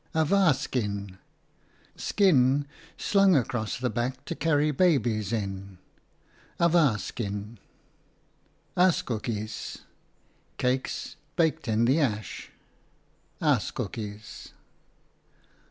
Awa skin, skin slung across the back to carry babies in. Askoekies, cakes baked in the ash. Baas, master.